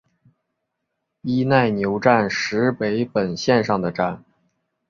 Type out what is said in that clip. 伊奈牛站石北本线上的站。